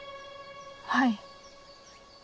はい。